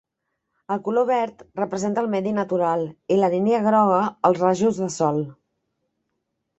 El color verd representa el medi natural i la línia groga els rajos de sol.